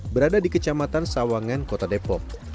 berada di kecamatan sawangan kota depok